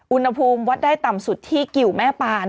อุณหภูมิวัดได้ต่ำสุดที่กิวแม่ปาน